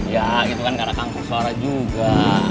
ya itu kan karena kanker suara juga